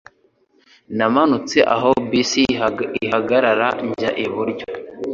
Namanutse aho bisi ihagarara njya iburyo.